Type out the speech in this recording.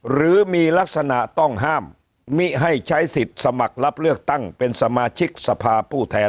หรือมีลักษณะต้องห้ามมิให้ใช้สิทธิ์สมัครรับเลือกตั้งเป็นสมาชิกสภาผู้แทน